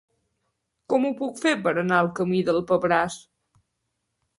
Com ho puc fer per anar al camí del Pebràs?